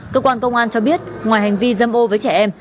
cơ quan công an cho biết ngoài hành vi dâm ô với trẻ em